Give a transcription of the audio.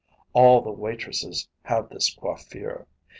All the waitresses have this coiffure.